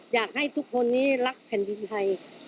อยากให้ทุกคนนี้รักแผ่นดินไทย